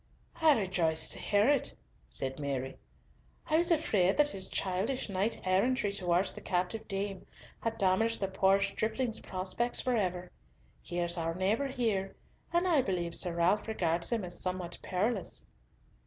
"I rejoice to hear it," said Mary; "I was afraid that his childish knight errantry towards the captive dame had damaged the poor stripling's prospects for ever. He is our neighbour here, and I believe Sir Ralf regards him as somewhat perilous."